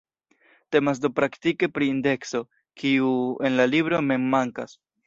Temas do praktike pri indekso, kiu en la libro mem mankas.